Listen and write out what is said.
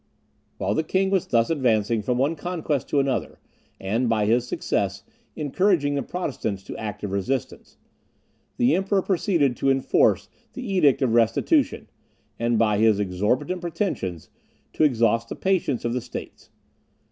While the king was thus advancing from one conquest to another, and, by his success, encouraging the Protestants to active resistance, the Emperor proceeded to enforce the Edict of Restitution, and, by his exorbitant pretensions, to exhaust the patience of the states.